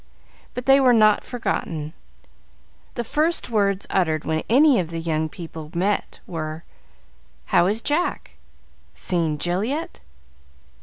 But they were not forgotten; the first words uttered when any of the young people met were: "How is Jack?" "Seen Jill yet?"